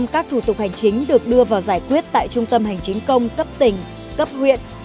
một trăm linh các thủ tục hành chính được đưa vào giải quyết tại trung tâm hành chính công cấp tỉnh cấp huyện